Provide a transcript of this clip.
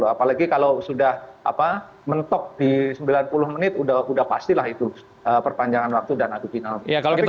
apalagi kalau sudah mentok di sembilan puluh menit sudah pasti perpanjangan waktu dan adu tendangan penalti